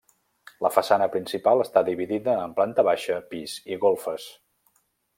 La façana principal està dividida en planta baixa, pis i golfes.